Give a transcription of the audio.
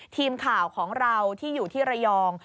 ทีมข่าวของเราที่อยู่ที่ระยอง